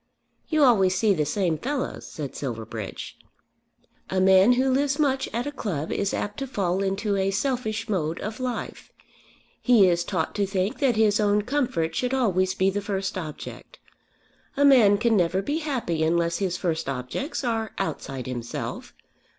"You always see the same fellows," said Silverbridge. "A man who lives much at a club is apt to fall into a selfish mode of life. He is taught to think that his own comfort should always be the first object. A man can never be happy unless his first objects are outside himself.